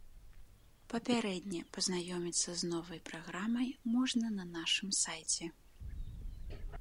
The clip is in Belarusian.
Папярэдне пазнаёміцца з новай праграмай можна на нашым сайце.